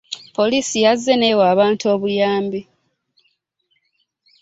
Poliisi yaze newa abantu obuyambi.